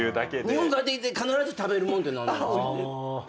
日本帰ってきて必ず食べるもんって何なんですか？